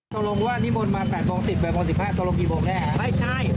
เพราะว่ามันน่าจะเกิดเวลาที่น่าจะปิดสบาย